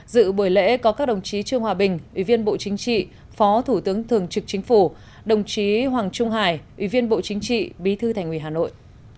dự buổi lễ có các đồng chí trương hòa bình ủy viên bộ chính trị phó thủ tướng thường trực chính phủ đồng chí hoàng trung hải ủy viên bộ chính trị bí thư thành ủy hà nội